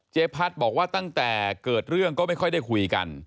พัฒน์บอกว่าตั้งแต่เกิดเรื่องก็ไม่ค่อยได้คุยกัน